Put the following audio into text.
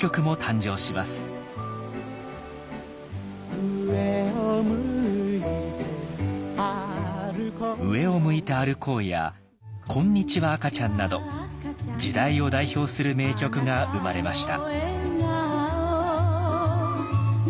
「上を向いて歩こう」「上を向いて歩こう」や「こんにちは赤ちゃん」など時代を代表する名曲が生まれました。